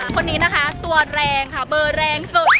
คนนี้นะคะตัวแรงค่ะเบอร์แรงสุด